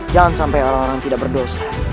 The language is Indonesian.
jangan sampai orang orang tidak berdosa